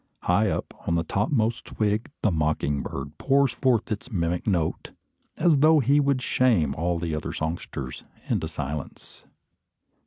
High up, on a topmost twig, the mocking bird pours forth his mimic note, as though he would shame all other songsters into silence.